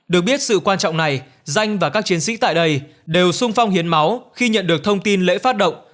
được biết sự quan trọng này danh và các chiến sĩ tại đây đều sung phong hiến máu khi nhận được thông tin lễ phát động